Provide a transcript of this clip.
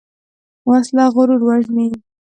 وسله غرور وژني